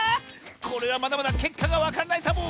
これはまだまだけっかがわからないサボ！